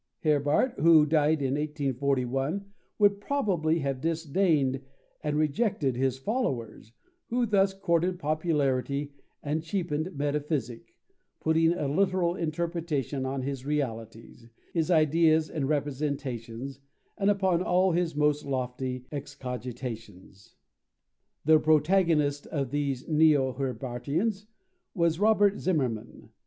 Herbart, who died in 1841, would probably have disdained and rejected his followers, who thus courted popularity and cheapened Metaphysic, putting a literal interpretation on his realities, his ideas and representations, and upon all his most lofty excogitations. The protagonist of these neo Herbartians was Robert Zimmermann.